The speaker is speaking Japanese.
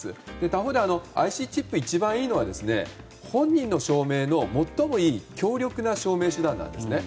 他方で、ＩＣチップが一番いいのは本人の証明の最もいい強力な証明手段なんですね。